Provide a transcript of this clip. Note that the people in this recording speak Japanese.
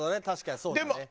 確かにそうだね。